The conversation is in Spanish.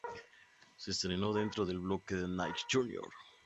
Se estrenó dentro del bloque Nick Jr.